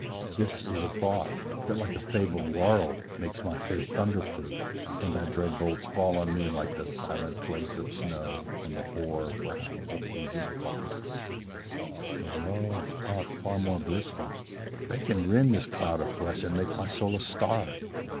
This is a thought, that, like a fabled laurel, Makes my faith thunder proof; and thy dread bolts Fall on me like the silent flakes of snow On the hoar brows of aged Caucasus: But, O thought far more blissful, they can rend This cloud of flesh, and make my soul a star!